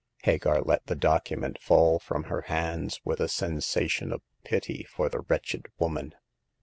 Hagar let the document fall from her hands with a sensation of pity for the wretched woman.